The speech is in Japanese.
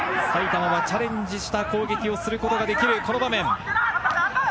埼玉はチャレンジした攻撃をすることができるこの場面。